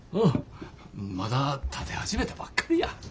まだ建て始めたばっかりや。